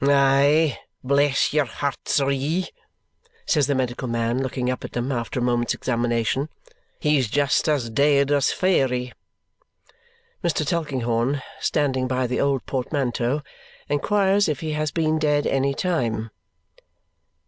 "Ey! Bless the hearts o' ye," says the medical man, looking up at them after a moment's examination. "He's just as dead as Phairy!" Mr. Tulkinghorn (standing by the old portmanteau) inquires if he has been dead any time.